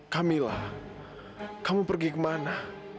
kamilah kamu pergi kemana